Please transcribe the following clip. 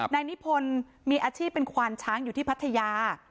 นายนิพนธ์มีอาชีพเป็นควานช้างอยู่ที่พัทยา